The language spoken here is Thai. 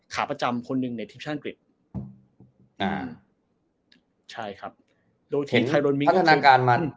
ขาประจำคนหนึ่งในอ่าใช่ครับโดยพัฒนาการมา